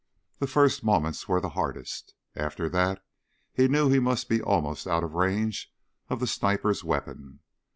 The first moments were the hardest. After that he knew he must be almost out of range of the sniper's weapon.